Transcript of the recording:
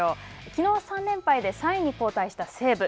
きのう３連敗で３位に後退した西武。